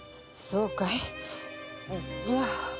そうかいじゃ。